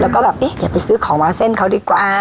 แล้วก็แบบเอ๊ะอย่าไปซื้อของมาเส้นเขาดีกว่า